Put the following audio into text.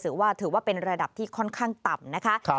ถือว่าเป็นระดับที่ค่อนข้างต่ำนะคะ